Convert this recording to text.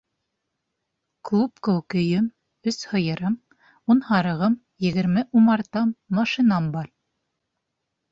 Клуб кеүек өйөм, өс һыйырым, ун һарығым, егерме умартам, машинам бар.